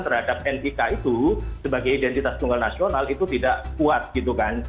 terhadap nik itu sebagai identitas tunggal nasional itu tidak kuat gitu kan